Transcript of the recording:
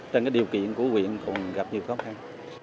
trên điều kiện của huyện cũng gặp nhiều khó khăn